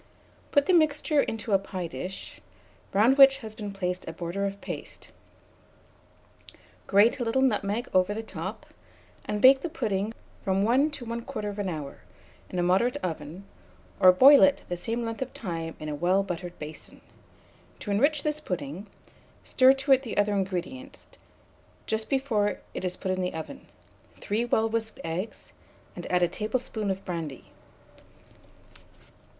Put the mixture into a pie dish, round which has been placed a border of paste, grate a little nutmeg over the top, and bake the pudding from 1 to 1 1/4 hour, in a moderate oven, or boil it the same length of time in a well buttered basin. To enrich this pudding, stir to the other ingredients, just before it is put in the oven, 3 well whisked eggs, and add a tablespoonful of brandy.